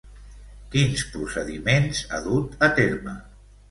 Quins procediments ha dut a terme?